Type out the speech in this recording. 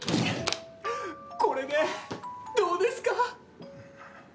これでどうですか？